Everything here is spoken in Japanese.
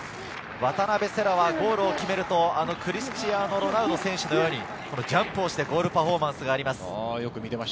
渡邊星来はゴールを決めるとクリスティアーノ・ロナウド選手のようにジャンプをするゴールパフォーマンスがあります。